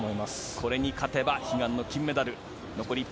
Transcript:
これに勝てば悲願の金メダル。